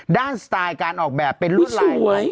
ด้านสไตล์การออกแบบเป็นรูดลาย